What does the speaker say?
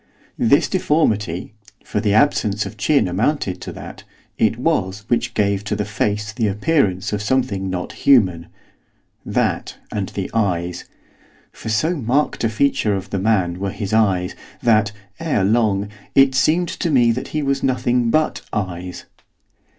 This deformity for the absence of chin amounted to that it was which gave to the face the appearance of something not human, that, and the eyes. For so marked a feature of the man were his eyes, that, ere long, it seemed to me that he was nothing but eyes.